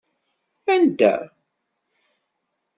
Anda?